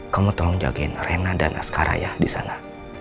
kamu tolong jagain rena dan askara ya disana